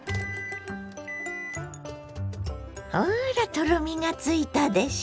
ほらとろみがついたでしょ。